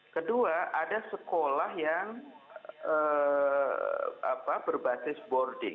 kedua ada sekolah yang eee apa berbasis boarding